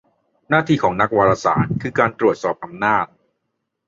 หน้าที่ของนักวารสาร คือการตรวจสอบอำนาจ